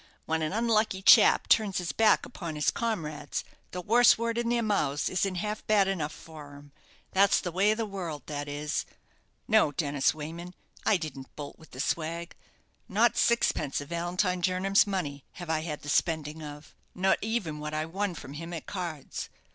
"When an unlucky chap turns his back upon his comrades, the worst word in their mouths isn't half bad enough for him. That's the way of the world, that is. No, Dennis Wayman; I didn't bolt with the swag not sixpence of Valentine Jernam's money have I had the spending of; no even what I won from him at cards.